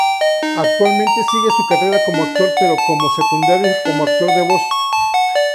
Actualmente sigue su carrera como actor, pero como secundario y como actor de voz.